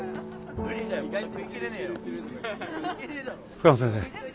深野先生